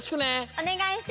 おねがいします！